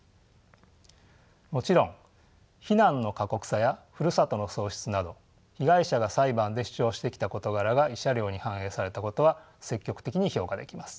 もちろん避難の過酷さやふるさとの喪失など被害者が裁判で主張してきた事柄が慰謝料に反映されたことは積極的に評価できます。